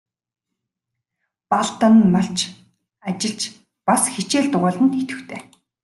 Балдан нь малч, ажилч, бас хичээл дугуйланд идэвхтэй.